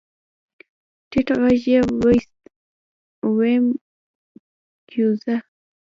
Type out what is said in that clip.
ټيټ غږ يې واېست ويم کېوځه.